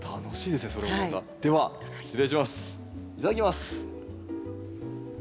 いただきます。